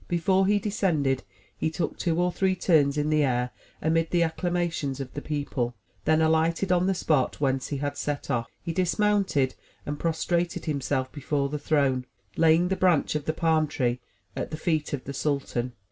Be fore he descended, he took two or three turns in the air amid the acclamations of the people, then alighted on the spot whence he had set off. He dismounted, and prostrated himself before the throne, laying the branch of the palm tree at the feet of the sultan.